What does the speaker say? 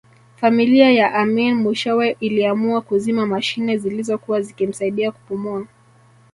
Familia ya Amin mwishowe iliamua kuzima mashine zilizokuwa zikimsaidia kupumua